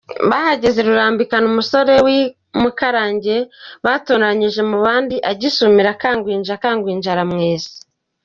Bahageze ruranzikana; umusore w’I Mukarange batoranije mu bandi agisumirana na Kajwiga, Kajwiga aramwesa.